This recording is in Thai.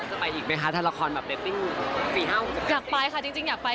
จะไปอีกไหมคะถ้าละครแบตติ้งฝีเห้าอยากไปค่ะจริงจริงอยากไป